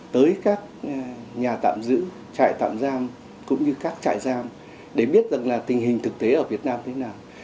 tới các nhà tạm giữ trại tạm giam cũng như các trại giam để biết rằng là tình hình thực tế ở việt nam thế nào